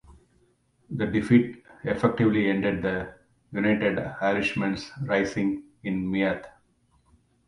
The defeat effectively ended the United Irishmens rising in Meath.